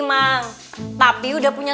mang tapi udah punya